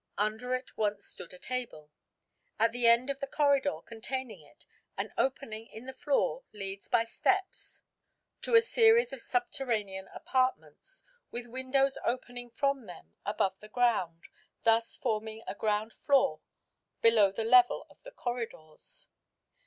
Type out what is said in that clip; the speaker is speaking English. Under it once stood a table. At the end of the corridor containing it an opening in the floor leads by steps to a series of subterranean apartments, with windows opening from them above the ground, thus forming a ground floor below the level of the corridors.